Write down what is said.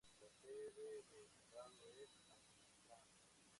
Las sede del condado es Ashland.